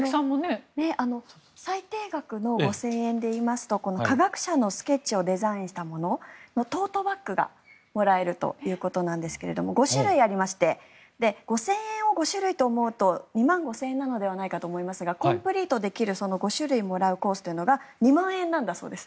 最低額の５０００円でいいますと科学者のスケッチをデザインしたもののトートバッグがもらえるということですが５種類ありまして５０００円を５種類と思うと２万５０００円なのではないかと思いますがコンプリートできる５種類もらうコースが２万円なんだそうです。